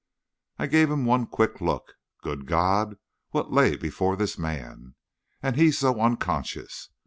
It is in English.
I gave him one quick look. Good God! What lay before this man! And he so unconscious!